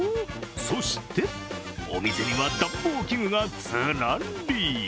そしてお店には暖房器具がずらり。